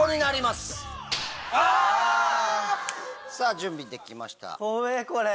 準備できました。